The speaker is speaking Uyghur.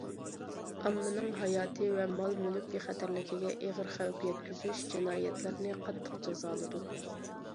ئاممىنىڭ ھاياتى ۋە مال- مۈلۈك بىخەتەرلىكىگە ئېغىر خەۋپ يەتكۈزۈش جىنايەتلىرىنى قاتتىق جازالىدۇق.